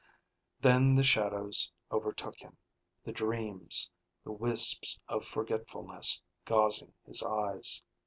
Then the shadows overtook him, the dreams, the wisps of forgetfulness gauzing his eyes.